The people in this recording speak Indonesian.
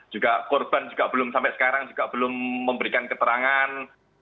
juga korban juga belum sampai sekarang juga belum memberikan keterangan